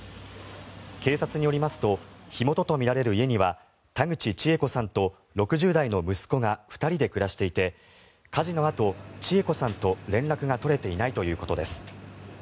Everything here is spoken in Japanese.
警察によりますと火元とみられる家には田口知栄子さんと６０代の息子が２人で暮らしていて火事のあと知栄子さんと連絡が取れていないということです。